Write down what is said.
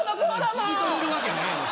聞き取れるわけないやろ。